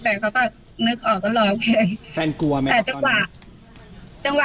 แฟนเขาก็นึกออกก็ร้องเพลงแฟนกลัวไหมแต่จังหวะ